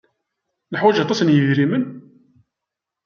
Neḥwaj aṭas n yidrimen?